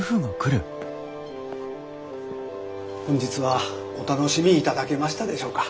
本日はお楽しみいただけましたでしょうか。